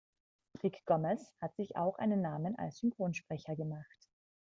Rick Gomez hat sich auch einen Namen als Synchronsprecher gemacht.